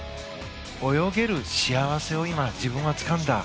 泳げる幸せを今、自分はつかんだ。